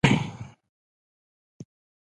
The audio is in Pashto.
کورس د خوبونو تعبیر ته قدم دی.